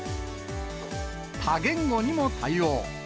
多言語にも対応。